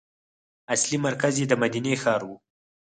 اصلي مرکز یې د مدینې ښار و.